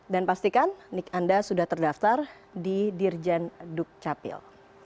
dan pastikan nik anda sudah terdaftar di dirjen duk capil